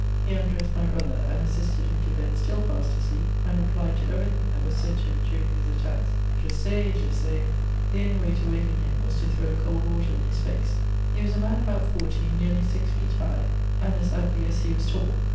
He undressed my brother, and assisted him to bed, still £ast asleep, and replied to every thing that was said to him during these attacks, '* Je sais, je sais ;" the only way to waken him was to throw cold water in his face. Efe was a man about forty, nearly six feet high, and as ugly as he was tall.